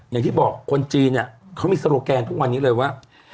อย่างที่บอกคนจีนเขามีโลแกนทุกวันนี้เลยว่า